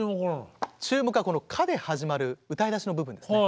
注目はこの「か」で始まる歌い出しの部分ですね。